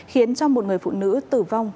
khiến cho một người phụ nữ tử vong